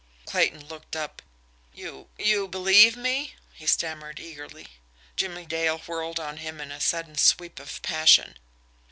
Clayton looked up. "You you believe me?" he stammered eagerly. Jimmie Dale whirled on him in a sudden sweep of passion.